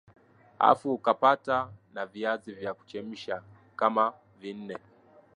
afu ukapata na viazi vya kuchemsha kama vinne